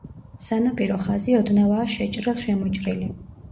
სანაპირო ხაზი ოდნავაა შეჭრილ-შემოჭრილი.